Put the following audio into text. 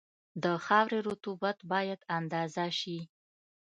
د خاورې رطوبت باید اندازه شي